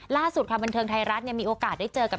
ล่าสุดค่ะบันเทิงไทยรัฐมีโอกาสได้เจอกับ